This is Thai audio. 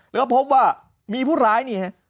แล้วก็พบว่ามีผู้ร้ายนี่ฮะ